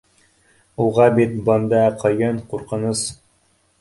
— Уға бит бында ҡыйын, ҡурҡыныс.